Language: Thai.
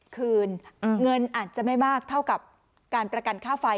คืนเงินอาจจะไม่มากเท่ากับการประกันค่าไฟ